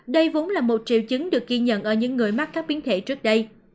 đây vốn là một triệu chứng được ghi nhận ở những người mắc các biến thể trước đây